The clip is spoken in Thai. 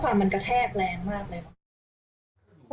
ความมันกระแทกแรงมากเลย